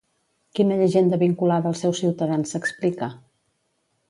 Quina llegenda vinculada als seus ciutadans s'explica?